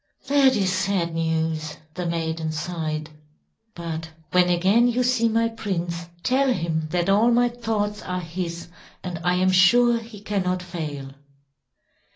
"That is sad news," the maiden sighed. "But when again you see my prince, tell him that all my thoughts are his, and I am sure he cannot fail."